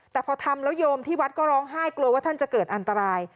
แต่พอทำแล้วโยมที่วัดก็ร้องไห้กลัวว่าท่านจะเกิดอันตราย